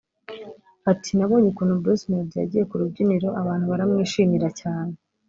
Ati “Nabonye ukuntu Bruce Melody yagiye ku rubyiniro abantu baramwishimira cyane